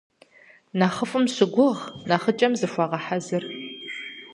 Нэхъыфӏым щыгугъ, нэхъыкӏэм зыхуэгъэхьэзыр.